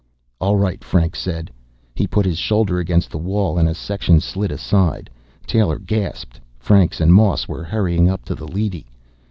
"All right," Franks said. He put his shoulder against the wall and a section slid aside. Taylor gasped Franks and Moss were hurrying up to the leady!